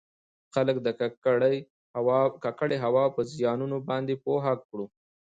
خلــک د ککـړې هـوا پـه زيـانونو بانـدې پـوه کـړو٫